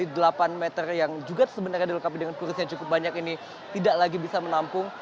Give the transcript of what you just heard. delapan meter yang juga sebenarnya dilengkapi dengan kurus yang cukup banyak ini tidak lagi bisa menampung